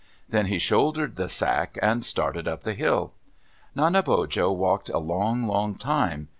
Then he shouldered the sack and started up the hill. Nanebojo walked a long, long time.